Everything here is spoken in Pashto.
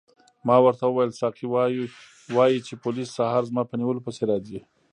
ما ورته وویل ساقي وایي چې پولیس سهار زما په نیولو پسې راځي.